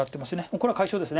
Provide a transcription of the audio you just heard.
これは解消です。